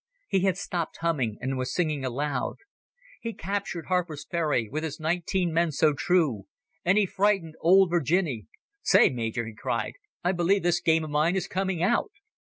He had stopped humming, and was singing aloud: "He captured Harper's Ferry, with his nineteen men so true And he frightened old Virginny ..." "Say, Major," he cried, "I believe this game of mine is coming out."